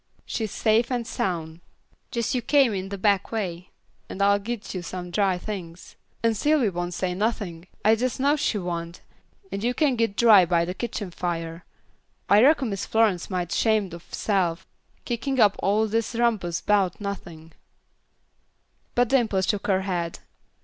She safe an' soun'. Jes' yuh come in de back way, an' I'll git yuh some dry things. An' Sylvy won't say nothin'. I jes' know she wont, an' yuh can git dry by de kitchen fire. I reckon Miss Flo'ence mighty 'shamed o' herse'f, kickin' up all dis rumpus 'bout nothin'." But Dimple shook her head.